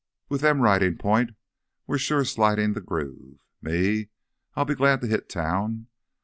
With them ridin' point we're sure slidin' th' groove. Me, I'll be glad to hit town.